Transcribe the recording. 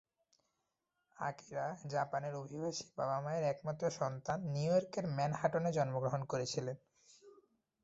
Akira জাপানের অভিবাসী বাবা-মায়ের একমাত্র সন্তান নিউইয়র্কের ম্যানহাটনে জন্মগ্রহণ করেছিলেন।